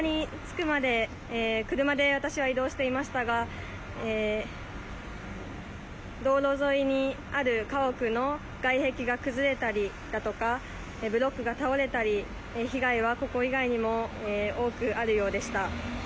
この現場に着くまで車で私は移動していましたが道路沿いにある家屋の外壁が崩れたりだとかブロックが倒れたり、被害はここ以外にも多くあるようでした。